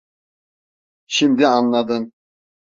Şimdi anladın.